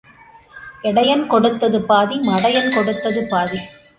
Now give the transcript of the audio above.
இடையன் கெடுத்தது பாதி மடையன் கெடுத்தது பாதி.